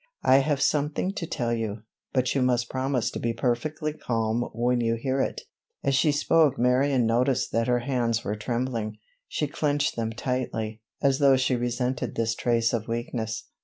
I have something to tell you, but you must promise to be perfectly calm when you hear it." As she spoke Marion noticed that her hands were trembling; she clinched them tightly, as though she resented this trace of weakness.